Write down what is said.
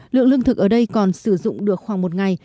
lượng lương thực ở đây còn sử dụng được khoảng một ngày